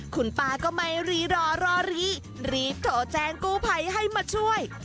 คุณป้าก็ไม่รีรอรอรีรีบโทรแจ้งกู้ภัยให้มาช่วย